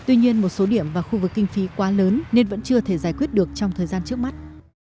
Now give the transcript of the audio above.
tuy nhiên một số điểm và khu vực kinh phí quá lớn nên vẫn chưa thể giải quyết được trong thời gian trước mắt